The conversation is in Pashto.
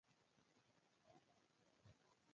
پر ځانګړو مطالبو او خبرونو بندیز لګوي.